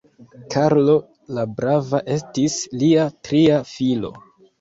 Karlo la Brava estis lia tria filo.